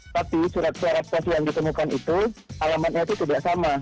tapi surat suara pos yang ditemukan itu alamatnya itu tidak sama